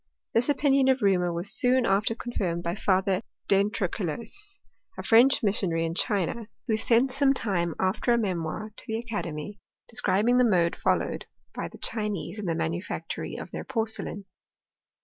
This opinion of Reaumur was soon after confirmed by Father d'Entrecolles, a French missionary in* China, who sent some time after a memoir to the academy, de scribing the mode followed by the Chinese in the ma nufactory of their porcelain.